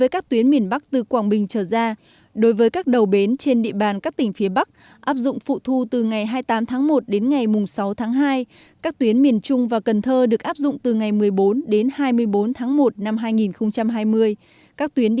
các tuyến đi liên tỉnh còn lại phụ thu tối đa không quá bốn mươi cước giá vé